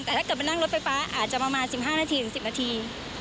แต่ถ้าเกิดมานั่งรถไฟฟ้าอาจจะประมาณ๑๕นาทีถึง๑๐นาที